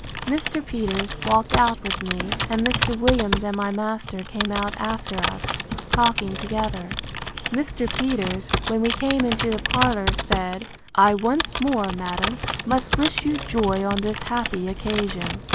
Mr. Peters walked out with me; and Mr. Williams and my master came out after us, talking together. Mr. Peters, when we came into the parlour, said, I once more, madam, must wish you joy on this happy occasion.